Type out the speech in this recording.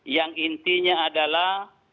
yang intinya adalah